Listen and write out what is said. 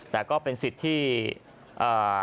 แต่ก็เป็นสิทธิ์ที่อ่า